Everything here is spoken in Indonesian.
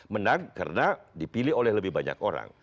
menang karena dipilih oleh lebih banyak orang